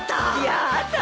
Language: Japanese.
やだ。